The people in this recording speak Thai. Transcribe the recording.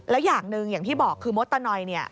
แล้วอย่างหนึ่งอย่างพี่บอกคือมดตัวหน่อย